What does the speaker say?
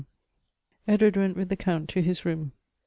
EDWARD went with the Count to his room.